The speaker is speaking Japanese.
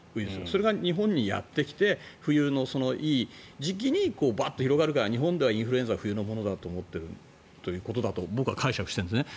それが日本にやってきて冬のいい時期にバッと広がるから日本ではインフルエンザは冬のものだと思っていると僕は解釈しているんですね。